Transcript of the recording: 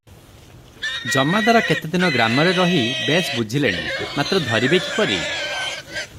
ଜମାଦାର କେତେଦିନ ଗ୍ରାମରେ ରହି ବେଶ୍ ବୁଝିଲେଣି; ମାତ୍ର ଧରିବେ କିପରି?